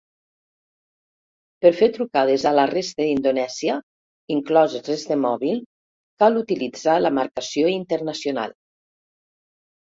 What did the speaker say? Per fer trucades a la resta d'Indonèsia, incloses les de mòbils, cal utilitzar la marcació internacional.